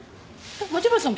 町村さん